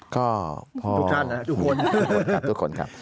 ก็พอทุกคนครับครับครับ